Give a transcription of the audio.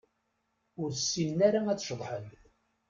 Ur ssinen ara ad ceḍḥen.